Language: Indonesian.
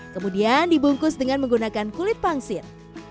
kemudian dibungkus dengan menggunakan kulit pangsit